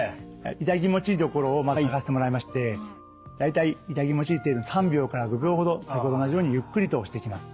痛気持ちいい所をまず探してもらいまして大体痛気持ちいい程度に３秒から５秒ほど先ほどと同じようにゆっくりと押していきます。